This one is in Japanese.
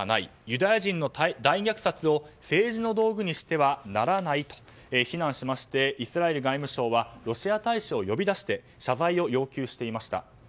ユダヤ人の大虐殺を政治の道具にしてはならないと非難しましてイスラエル外務省はロシア大使を呼び出して謝罪を要求していました。